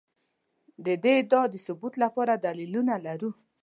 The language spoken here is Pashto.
د دې ادعا د ثبوت لپاره دلیلونه لرو.